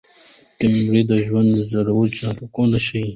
کیمیاګر د ژوند ژور حقیقتونه ښیي.